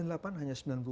bukan hanya tapi ini